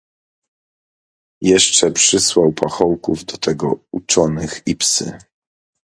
"Jeszcze przysłał pachołków do tego uczonych i psy."